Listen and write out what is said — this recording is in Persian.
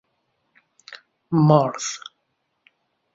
مارض